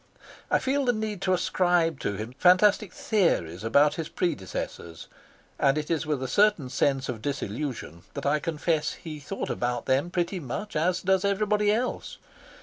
I feel the need to ascribe to him fantastic theories about his predecessors, and it is with a certain sense of disillusion that I confess he thought about them pretty much as does everybody else.